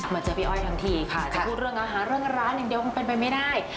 เจอพี่อ้อยทั้งทีค่ะจะพูดเรื่องอาหารเรื่องร้านอย่างเดียวมันเป็นไปไม่ได้